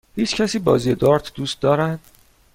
هیچکسی بازی دارت دوست دارد؟